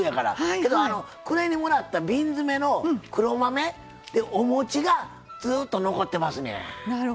けど、暮れにもらった瓶詰めの黒豆、おもちがずっと残ってますねん。